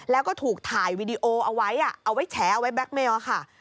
แล้วก็ถูกถ่ายวีดีโอเอาไว้เอาไว้แฉเอาไว้แก๊กเมลค่ะ